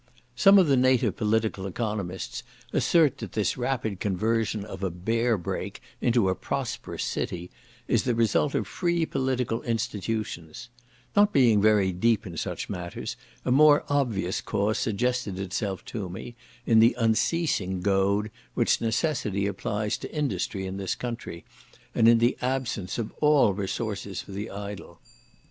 Some of the native political economists assert that this rapid conversion of a bear brake into a prosperous city, is the result of free political institutions; not being very deep in such matters, a more obvious cause suggested itself to me, in the unceasing goad which necessity applies to industry in this country, and in the absence of all resource for the idle.